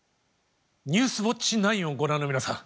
「ニュースウオッチ９」をご覧の皆さん